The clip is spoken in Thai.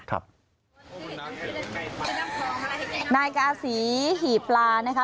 นายกาศีหี่ปลานะคะ